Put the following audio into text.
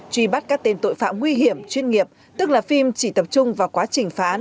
truy bắt các tên tội phạm nguy hiểm chuyên nghiệp tức là phim chỉ tập trung vào quá trình phán